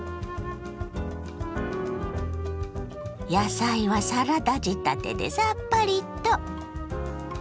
野菜はサラダ仕立てでさっぱりと。